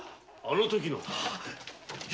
あの時の。